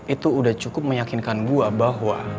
itu udah cukup meyakinkan gue bahwa